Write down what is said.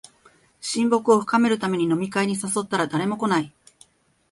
親睦を深めるために飲み会に誘ったら誰も来ない